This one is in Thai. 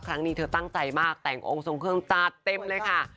ครั้งนี้เธอตั้งใจมากแต่งองค์ทรงเครื่องจัดเต็มเลยค่ะ